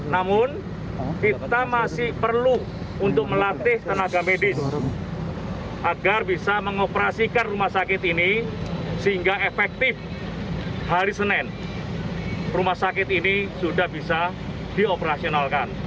namun kita masih perlu untuk melatih tenaga medis agar bisa mengoperasikan rumah sakit ini sehingga efektif hari senin rumah sakit ini sudah bisa dioperasionalkan